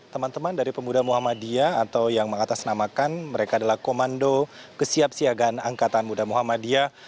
teman teman dari pemuda muhammadiyah atau yang mengatasnamakan mereka adalah komando kesiapsiagaan angkatan muda muhammadiyah